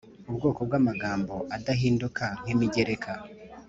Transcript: ubwoko bw’amagambo adahinduka nk’imigereka